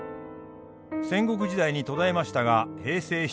戦国時代に途絶えましたが平成７年に復興。